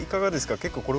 結構これは。